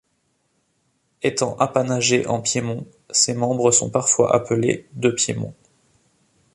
Étant apanagés en Piémont, ses membres sont parfois appelés de Piémont.